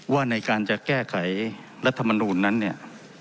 ว่าในการจะแก้ไขรัฐมนูลนั้นเนี่ย